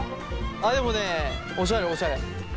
でもねおしゃれおしゃれ。